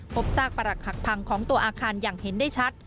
พบซากประหลักหักพังของตัวอาคารอย่างเห็นได้ชัด